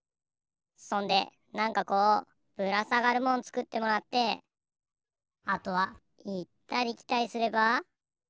そんでなんかこうぶらさがるもんつくってもらってあとはいったりきたりすれば。